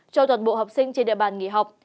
cho toàn bộ học sinh trên địa bàn nghỉ học